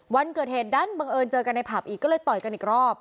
วันเกิดเหตุดันบังเอิญเจอกันในผับอีกก็เลยต่อยกันอีกรอบ